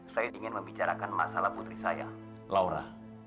saya ingin membicarakan masalah putri saya laura